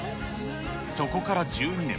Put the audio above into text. そこから１２年。